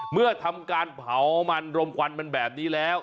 เมื่อทำการเผามันรมควันมันแบบนี้แล้ว